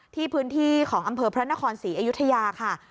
ที่พื้นที่ของอำเภอพระนครศรีอยุธยาค่ะ